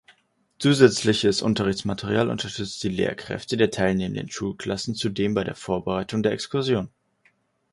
Zusätzliches Unterrichtsmaterial unterstützt die Lehrkräfte der teilnehmenden Schulklassen zudem bei der Vorbereitung der Exkursion.